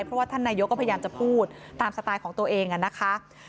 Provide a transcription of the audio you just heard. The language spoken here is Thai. เพราะว่าท่านนายกก็พยายามจะพูดตามสไตล์ของตัวเองนะคะ